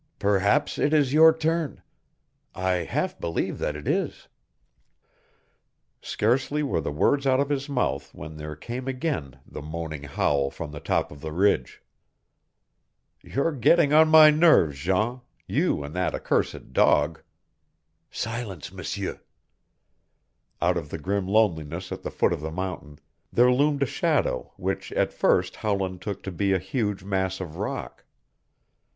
"Perhaps it is your turn. I half believe that it is." Scarcely were the words out of his mouth when there came again the moaning howl from the top of the ridge. "You're getting on my nerves, Jean you and that accursed dog!" "Silence, M'seur!" Out of the grim loneliness at the foot of the mountain there loomed a shadow which at first Howland took to be a huge mass of rock.